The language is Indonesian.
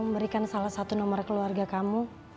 berikan salah satu nomor keluarga kamu